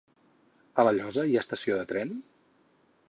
A La Llosa hi ha estació de tren?